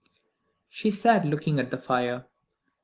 She sat looking at the fire.